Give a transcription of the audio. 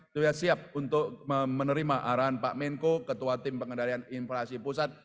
sudah siap untuk menerima arahan pak menko ketua tim pengendalian inflasi pusat